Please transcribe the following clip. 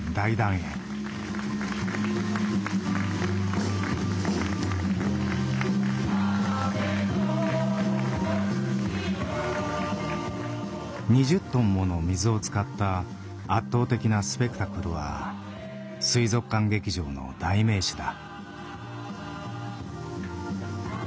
「風の黙示録」２０トンもの水を使った圧倒的なスペクタクルは水族館劇場の代名詞だ。